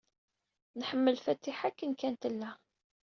Nḥemmel Fatiḥa akken kan tella.